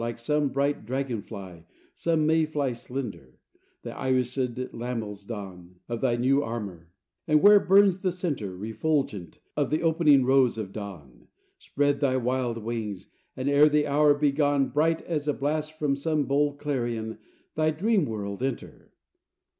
Like some bright dragon fly, some May fly slender, The irised lamels don Of thy new armor; and, where burns the centre, Refulgent, of the opening rose of dawn, Spread thy wild wings, and, ere the hour be gone, Bright as a blast from some bold clarion, Thy Dream world enter.